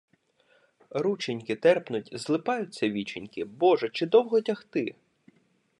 Рученьки терпнуть, злипаються віченькі, Боже, чи довго тягти?